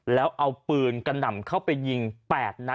แล้วเอาปืนกระหน่ำเข้าไปยิง๘นัด